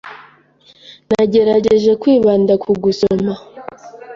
Nagerageje kwibanda ku gusoma.